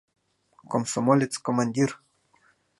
Комсомолец-командир.